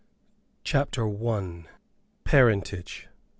CHAPTER I. PARENTAGE.